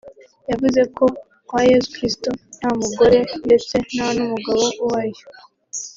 yavuze ko kwa Yesu Kristo nta mugore ndetse nta n’umugabo ubayo